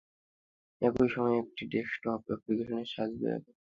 একই সময়ে একটি ডেস্কটপ অ্যাপ্লিকেশনের সাহায্যে একাধিকজনের সম্পদনার সুযোগ থাকছে এতে।